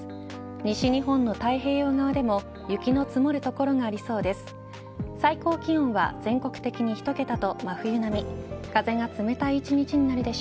西日本の太平洋側でも雪の積もる所がありそうです。